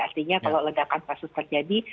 artinya kalau ledakan kasus terjadi